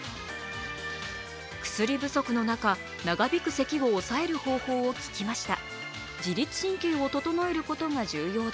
薬不足の中、長引く咳を抑える方法を聞きました。